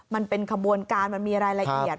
มันเป็นขบวนการมันมีรายละเอียด